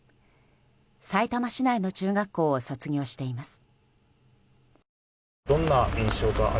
さいたま市内の中学校を卒業しています。